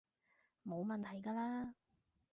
冇問題㗎喇